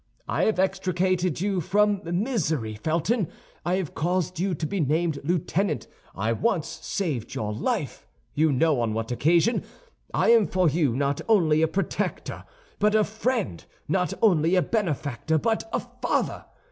I have extricated you from misery, Felton; I have caused you to be named lieutenant; I once saved your life, you know on what occasion. I am for you not only a protector, but a friend; not only a benefactor, but a father.